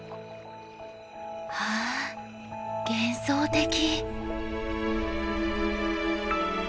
わあ幻想的！